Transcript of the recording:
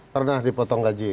karena dipotong gaji ya